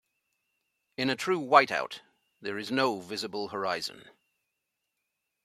In a true whiteout there is no visible horizon.